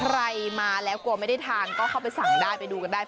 ใครมาแล้วกลัวไม่ได้ทานก็เข้าไปสั่งได้ไปดูกันได้